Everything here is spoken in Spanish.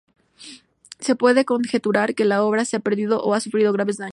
Se puede conjeturar que la obra se ha perdido o ha sufrido graves daños.